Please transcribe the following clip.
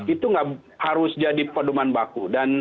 itu nggak harus jadi pedoman baku